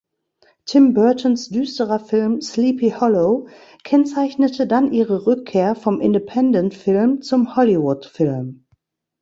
Tim Burtons düsterer Film "Sleepy Hollow" kennzeichnete dann ihre Rückkehr vom Independent-Film zum Hollywood-Film.